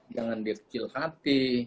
jangan dikecil hati